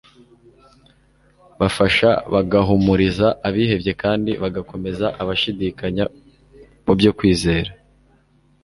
bafasha bagahumuriza abihebye kandi bagakomeza abashidikanya mu byo kwizera.